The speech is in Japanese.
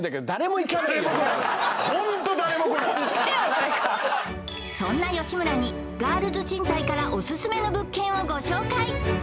誰かそんな吉村にガールズ賃貸からオススメの物件をご紹介！